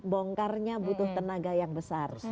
bongkarnya butuh tenaga yang besar